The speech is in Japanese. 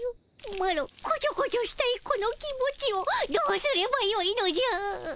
マロこちょこちょしたいこの気持ちをどうすればよいのじゃ。